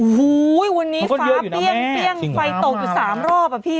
โอ้โหวันนี้ฟ้าเปรี้ยงเปรี้ยงไฟตกอยู่สามรอบอ่ะพี่